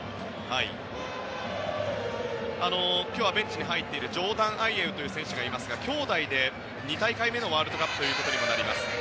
今日、ベンチに入っているジョーダン・アイェウという選手がいますが兄弟で２大会目のワールドカップということになります。